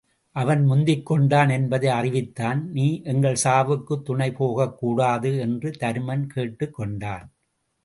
அவன் முந்திக் கொண்டான் என்பதை அறிவித்தான் நீ எங்கள் சாவுக்குத் துணை போகக்கூடாது என்று தருமன் கேட்டுக் கொண்டான்.